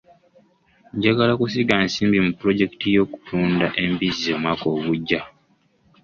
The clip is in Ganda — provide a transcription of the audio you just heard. Njagala kusiga nsimbi mu pulojekiti y'okulunda embizzi omwaka ogujja.